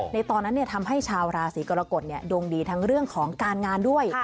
ในตอนนั้นทำให้ชาวราศีกรกฎดวงดีทั้งเรื่องของการงานด้วย